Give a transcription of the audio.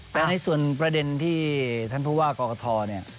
แต่ในส่วนประเด็นที่ท่านผู้ว่ากรกฐเนี่ย